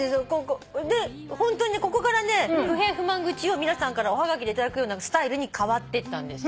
でホントにここからね不平不満愚痴を皆さんからおはがきで頂くようなスタイルに変わっていったんですよね。